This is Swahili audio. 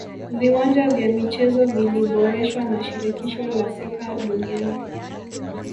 viwanja vya michezo viliboreshwa na shirikisho la soka duniani